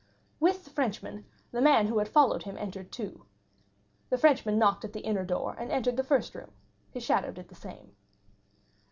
With the Frenchman, the man who had followed him entered too; the Frenchman knocked at the inner door, and entered the first room; his shadow did the same.